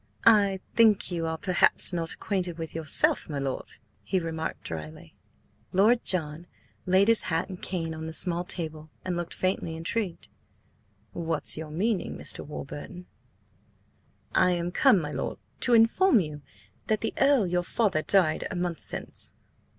"I think you are perhaps not acquainted with yourself, my lord," he remarked drily. Lord John laid his hat and cane on the small table, and looked faintly intrigued. "What's your meaning, Mr. Warburton?" "I am come, my lord, to inform you that the Earl, your father, died a month since."